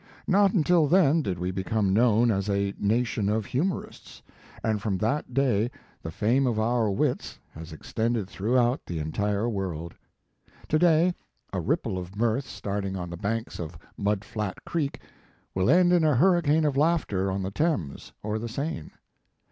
Not until then did we become known as a nation of humorists, and from that day the fame of our wits has extended throughout the entire world. To day a ripple of mirth His Life and Work. starting on the banks of Mud Flat Creek, will end in a hurricane of laughter on the Thames or the Seine.